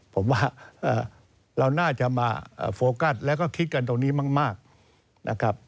ผมว่าเราน่าจะมาโฟกัสแล้วก็คิดกันตรงนี้มากนะครับ